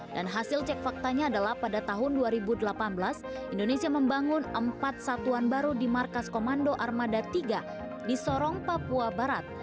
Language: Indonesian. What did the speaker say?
dan hasil cek faktanya adalah pada tahun dua ribu delapan belas indonesia membangun empat satuan baru di markas komando armada tiga di sorong papua barat